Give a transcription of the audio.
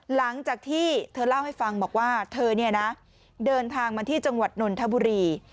หลังจากที่เธอเล่าให้ฟังบอกว่าเธอเนี่ยนะเดินทางมาที่จังหวัดนนทบุรี